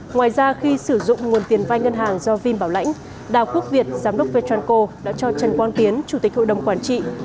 ngoài ra khi sử dụng nguồn tiền vai ngân hàng do vin bảo lãnh đào quốc việt giám đốc vechanco đã cho trần quang tiến chủ tịch hội đồng quản trị